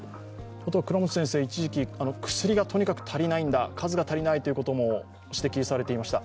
一時期薬がとにかく足りないんだ、数が足りないということを指摘されていました。